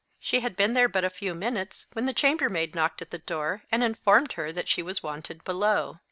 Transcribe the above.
She had been there but a few minutes when the chambermaid knocked at the door, and informed her that she was wanted below.